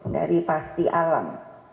dari pasti alam